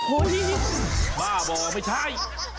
โอ้โฮบ้าบอกไม่ใช่